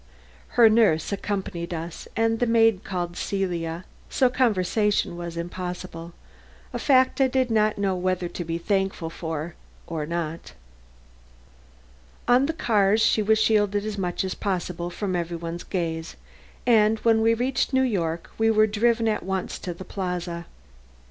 Her nurse accompanied us and the maid called Celia, so conversation was impossible a fact I did not know whether to be thankful for or not. On the cars she was shielded as much as possible from every one's gaze, and when we reached New York we were driven at once to the Plaza.